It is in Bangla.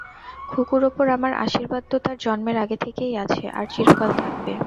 খুকুর উপর আমার আশীর্বাদ তো তার জন্মের আগে থেকেই আছে, আর চিরকাল থাকবে।